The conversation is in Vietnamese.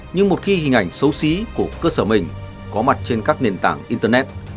nhưng một khi hình ảnh xấu xí của cơ sở mình có mặt trên các nền tảng internet